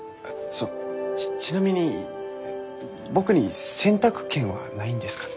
ちなみに僕に選択権はないんですかね？